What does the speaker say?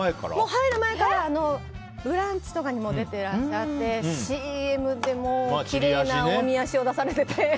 入る前から「ブランチ」とかにも出ていらしてＣＭでも、きれいなおみ足を出されていて。